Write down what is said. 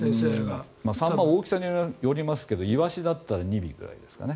サンマ大きさによりますがイワシだと２尾ぐらいですかね。